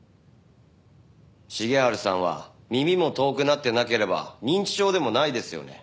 重治さんは耳も遠くなってなければ認知症でもないですよね？